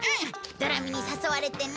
ドラミに誘われてね。